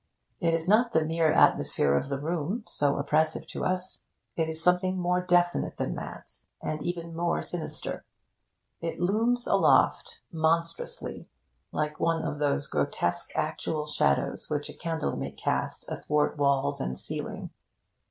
It is not the mere atmosphere of the room, so oppressive to us. It is something more definite than that, and even more sinister. It looms aloft, monstrously, like one of those grotesque actual shadows which a candle may cast athwart walls and ceiling.